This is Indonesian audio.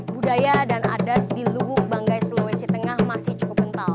budaya dan adat di lubuk banggai sulawesi tengah masih cukup kental